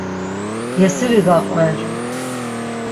Yesiri gaqver.